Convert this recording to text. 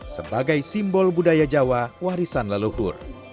sebagai simbol budaya jawa warisan leluhur